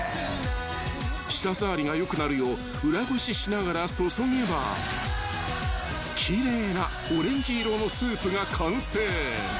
［舌触りが良くなるよう裏ごししながら注げば奇麗なオレンジ色のスープが完成］